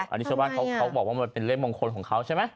อันนี้ชาวบ้านเขาบอกว่ามันเป็นเลขมงคลของเขาใช่ไหม